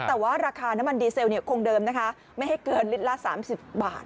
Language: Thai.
แต่ว่าราคาน้ำมันดีเซลคงเดิมนะคะไม่ให้เกินลิตรละ๓๐บาท